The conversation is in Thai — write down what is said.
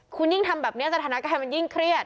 คุณยิ่งทำแบบนี้สถานการณ์มันยิ่งเครียด